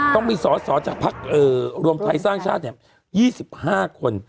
ต้องมีสอดสอดจากภักดิ์เอ่อรวมไทยสร้างชาติเนี่ยยี่สิบห้าคน